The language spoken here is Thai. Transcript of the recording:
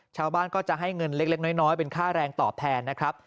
ชาวบ้านก็จะให้เงินเล็กน้อยเป็นค่าแรงตอบแทนนะครับ